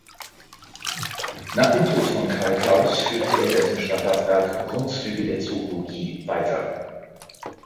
Nach dem Tod von Carl Claus führte er dessen Standardwerk "Grundzüge der Zoologie" weiter.